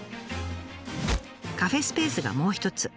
カフェスペースがもう一つ。